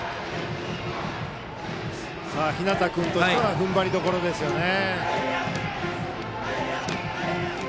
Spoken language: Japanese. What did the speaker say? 日當君としては踏ん張りどころですね。